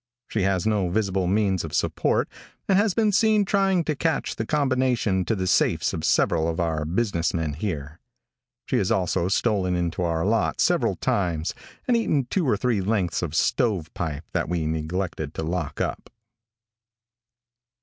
She has no visible means of support, and has been seen trying to catch the combination to the safes of several of our business men here. She has also stolen into our lot several times and eaten two or three lengths of stovepipe that we neglected to lock up.